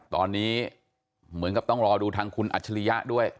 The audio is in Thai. ตอนนี้เหมือนกับต้องรอดูทางคุณอัจฉริยะด้วย